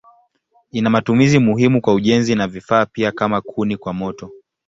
Ina matumizi muhimu kwa ujenzi na vifaa pia kama kuni kwa moto.